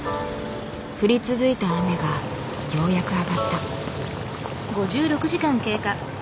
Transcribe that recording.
降り続いた雨がようやく上がった。